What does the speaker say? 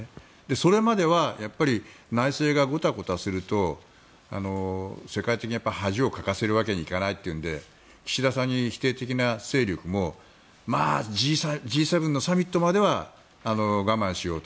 それまでは内政がごたごたすると世界的に恥をかかせるわけにはいかないというので岸田さんに否定的な勢力もまあ、Ｇ７のサミットまでは我慢しようと。